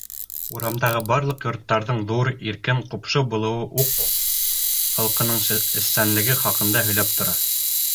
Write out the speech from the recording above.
Урамдағы барлыҡ йорттарҙың ҙур, иркен, ҡупшы булыуы уҡ халҡының эшсәнлеге хаҡында һөйләп тора.